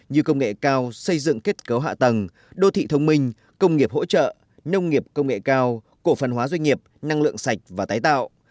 như công nghệ cao xây dựng kết cấu hạ tầng đô thị thông minh công nghiệp hỗ trợ nông nghiệp công nghệ cao cổ phần hóa doanh nghiệp năng lượng sạch và tái tạo